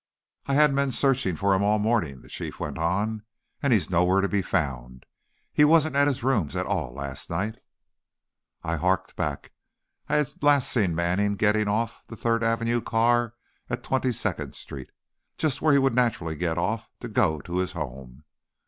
"I've had men searching for him all the morning," the Chief went on, "and he's nowhere to be found. He wasn't at his rooms at all last night." I harked back. I had last seen Manning getting off the Third Avenue car at Twenty second Street, just where he would naturally get off to go to his home.